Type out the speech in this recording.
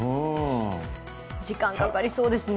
時間かかりそうですね。